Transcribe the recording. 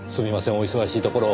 お忙しいところを。